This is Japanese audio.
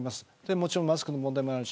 もちろんマスクの問題もあるし。